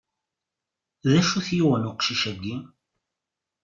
D acu i t-yuɣen uqcic-agi?